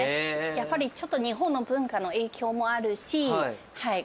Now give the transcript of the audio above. やっぱりちょっと日本の文化の影響もあるし。